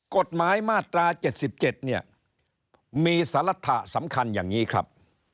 กฎหมายมาตรา๗๗เนี่ยมีสาระสำคัญอย่างนี้ครับ